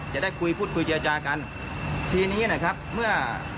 จะได้คุยพูดคุยเจรจากันทีนี้นะครับเมื่อ